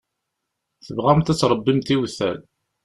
Tebɣamt ad tṛebbimt iwtal.